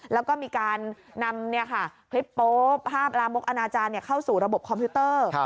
แล้วก็มีการนำคลิปโป๊บภาพลามกอนาจารย์เข้าสู่ระบบคอมพิวเตอร์